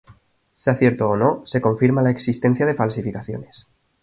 Sea cierto o no, se confirma la existencia de falsificaciones.